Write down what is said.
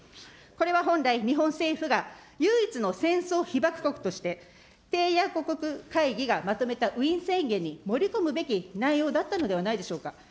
これは本来、日本政府が唯一の戦争被爆国として、締約国会議がまとめたウィーン宣言に盛り込むべき内容だったのではないでしょうか。